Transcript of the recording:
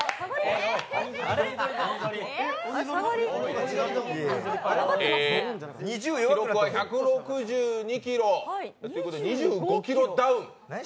え、記録は１６２ｋｇということで、２５ｋｇダウン。